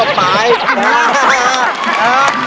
ไม่มองบ้ามากไปเลย